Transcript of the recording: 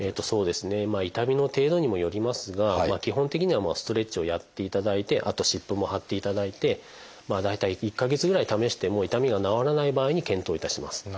そうですねまあ痛みの程度にもよりますが基本的にはストレッチをやっていただいてあと湿布も貼っていただいてまあ大体１か月ぐらい試しても痛みが治らない場合に検討いたします。